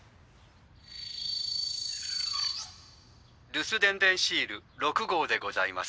留守電でんシール六号でございます。